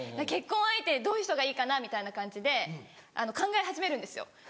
結婚相手どういう人がいいかなみたいな感じで考え始めるんですよ。